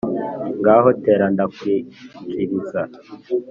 gaho tera ndakwikiriza.